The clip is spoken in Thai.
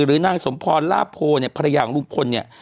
หรือนางศมพลลาโพอเนี่ยภรรยาของลุงพลเนี่ย